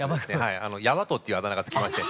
「ヤバ藤」っていうあだ名が付きまして。